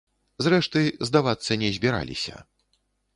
Зрэшты, здавацца не збіраліся.